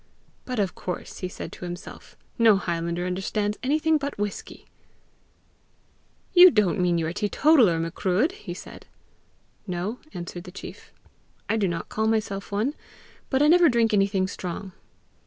"But of course," he said to himself, "no highlander understands anything but whisky!" "You don't mean you're a teetotaler, Macruadh!" he said. "No," answered the chief; "I do not call myself one; but I never drink anything strong."